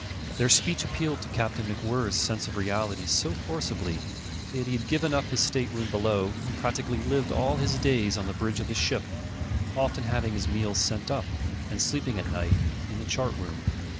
Their speech appealed to Captain MacWhirr's sense of realities so forcibly that he had given up his state room below and practically lived all his days on the bridge of his ship, often having his meals sent up, and sleeping at night in the chart room.